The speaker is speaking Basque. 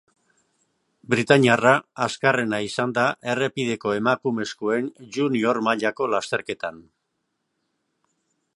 Britainiarra azkarrena izan da errepdieko emakumezkoen junior mailako lasterketan.